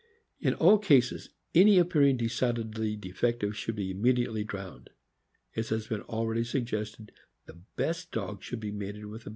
In all cases, any appearing decidedly defective should be immediately drowned. As has been already suggested, the best dog should be mated with the THE FOXHOUND.